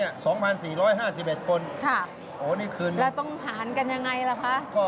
โอ้โฮนี่คืนแล้วต้องผ่านกันอย่างไรล่ะคะ